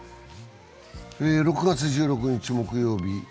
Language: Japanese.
６月１６日木曜日。